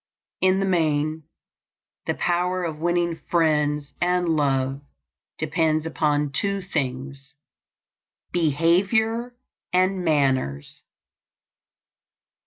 In the main, this power of winning friends and love depends upon two things: behavior and manners.